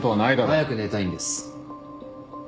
早く寝たいんです。